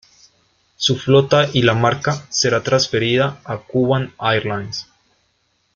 Su flota y la marca será transferida a Kuban Airlines.